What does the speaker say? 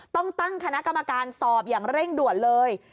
ต้องตั้งคณะกรรมการสอบอย่างเร่งด่วนเลย